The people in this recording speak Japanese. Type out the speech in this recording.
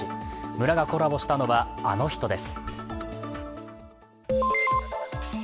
村がコラボしたのは、あの人です。